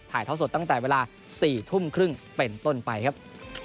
ถ่ายเท่าสดตั้งแต่เวลา๑๖๓๐เป็นต้นไปครับ